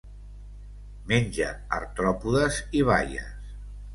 Menja artròpodes i baies.